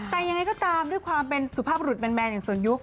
แต่ยังไงก็ตามด้วยความเป็นสุภาพบรุษแมนอย่างส่วนยุค